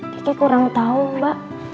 kakak kurang tahu mbak